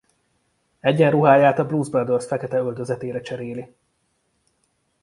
Egyenruháját a Blues Brothers fekete öltözetére cseréli.